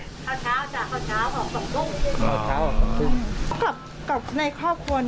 เขาเช้าจากเขาเช้าหอกกลมฟุ้ง